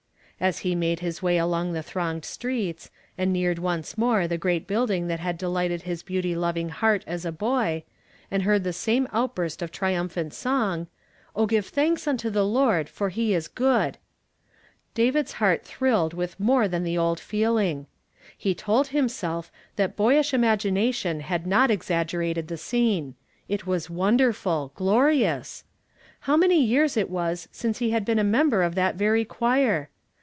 As he made his way along the thronged streets, and neared once more the great building that had delighted his beauty loving lieart as a boy, and heard the same outbui st of triumphant I 216 YESTERDAY FRAMED IN TO DAY. I'l song, —" O give thanks unto the Lord ; for he is good !" David's lieart thrilled with more than tiie old feeling. He told himself, that boyish imagina tion had not exaggerated the scene • it was won derful, glorious ! How many years it was since he had been a member of that very choir!